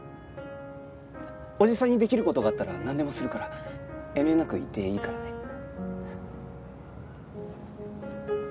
おじさんにできる事があったらなんでもするから遠慮なく言っていいからね。